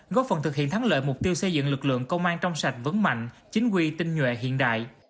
góp phần thực hiện thắng lợi mục tiêu xây dựng lực lượng công an trong sạch vững mạnh chính quy tinh nhuệ hiện đại